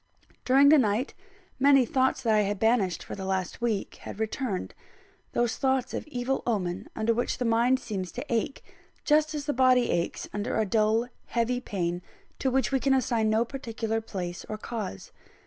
During the night, many thoughts that I had banished for the last week had returned those thoughts of evil omen under which the mind seems to ache, just as the body aches under a dull, heavy pain, to which we can assign no particular place or cause.